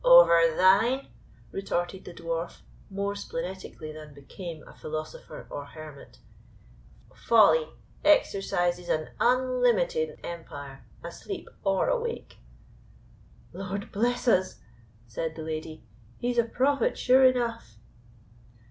"Over thine," retorted the Dwarf, more splenetically than became a philosopher or hermit, "folly exercises an unlimited empire, asleep or awake." "Lord bless us!" said the lady, "he's a prophet, sure enough."